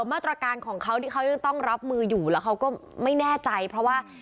มาตรการของเขาที่เขายังต้องรับมืออยู่แล้วเขาก็ไม่แน่ใจเพราะว่า